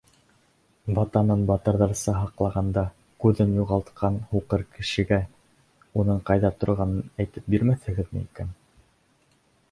Ватанын батырҙарса һаҡлағанда күҙен юғалтҡан һуҡыр кешегә уның ҡайҙа торғанын әйтеп бирмәҫһегеҙме икән?